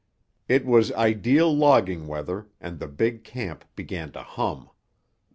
It was ideal logging weather, and the big camp began to hum.